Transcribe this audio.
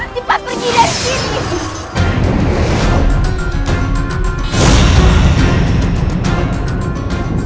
cepat pergi dari sini